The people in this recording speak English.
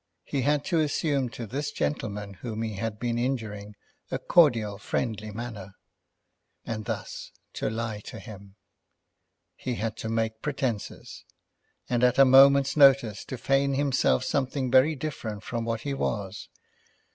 He had to assume to this gentleman whom he had been injuring a cordial friendly manner, and thus to lie to him. He had to make pretences, and at a moment's notice to feign himself something very different from what he was.